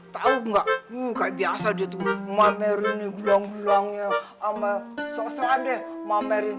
tahu nggak kayak biasa dia tuh memeringi bulang bulangnya sama sosokan deh memeringi